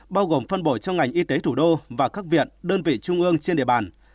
bao gồm phân bổ trong ngành y tế thủ đô và các viện đơn vị trung ương trên địa bàn